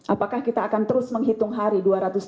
apakah kita akan terus menghitung hari